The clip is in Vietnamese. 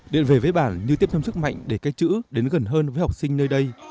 điện về với bản như tiếp thêm sức mạnh để cái chữ đến gần hơn với học sinh nơi đây